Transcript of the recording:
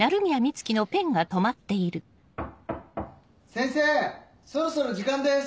先生そろそろ時間です。